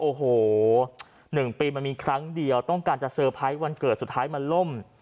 โอ้โห๑ปีมันมีครั้งเดียวต้องการจะเตอร์ไพรส์วันเกิดสุดท้ายมันล่ม